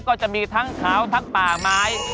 ก็จะมีทั้งขาวทั้งป่าไม้